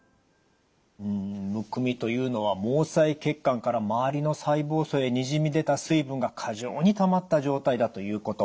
むくみというのは毛細血管から周りの細胞層へにじみ出た水分が過剰にたまった状態だということ。